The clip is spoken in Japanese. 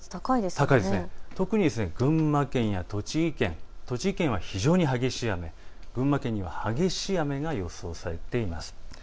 特に群馬県や栃木県、栃木県は非常に激しい雨、群馬県には激しい雨が予想されています。